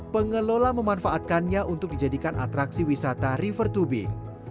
pengelola memanfaatkannya untuk dijadikan atraksi wisata river tubing